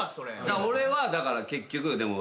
俺はだから結局でも。